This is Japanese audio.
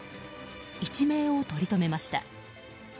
一命を取り留めました。